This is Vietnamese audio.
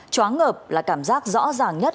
chóa ngợp là cảm giác rõ ràng nhất